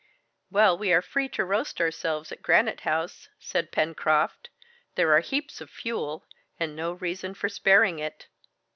"Well, we are free to roast ourselves at Granite House!" said Pencroft. "There are heaps of fuel, and no reason for sparing it."